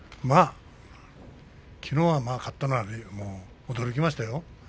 きのうは勝ったのは驚きましたよ。